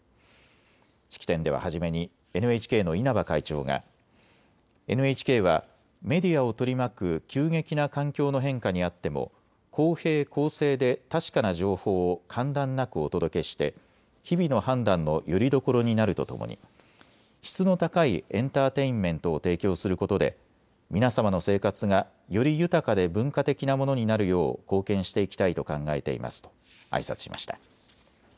式典では初めにＮＨＫの稲葉会長がＮＨＫはメディアを取り巻く急激な環境の変化にあっても公平公正で確かな情報を間断なくお届けして日々の判断のよりどころになるとともに質の高いエンターテインメントを提供することで皆様の生活がより豊かで文化的なものになるよう貢献していきたいと考えていますとあいさつしました。